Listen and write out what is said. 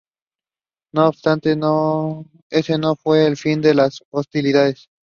No obstante, ese no fue el fin de las hostilidades.